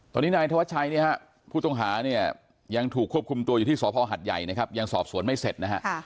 ตอนนี้นายธวัชชัยผู้ต้องหายังถูกควบคุมตัวอยู่ที่สภหัดใหญ่ยังสอบสวนไม่เสร็จนะครับ